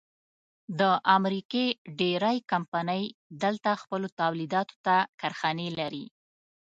د امریکې ډېرۍ کمپنۍ دلته خپلو تولیداتو ته کارخانې لري.